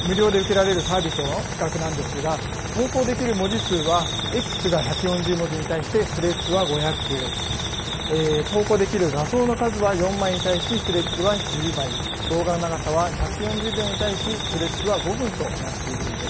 無料で受けられるサービスの比較なんですが、投稿できる文字数は、Ｘが１４０文字に対して、スレッズは５００、投稿できる画像の数は４枚に対し、スレッズは１０枚、動画の長さは１４０秒に対し、スレッズは５分となっているんです。